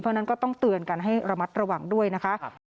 เพราะฉะนั้นก็ต้องเตือนกันให้ระมัดระวังด้วยนะคะ